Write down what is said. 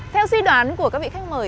theo suy đoán của các vị khách mời